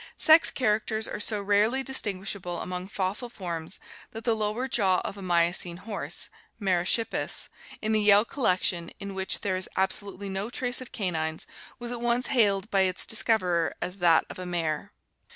Sex characters are so rarely distinguishable among fossil forms that the lower jaw of a Miocene horse (Merychippus) in the Yale collection, in which there is absolutely no trace of canines, was at once hailed by its discoverer as that of a mare.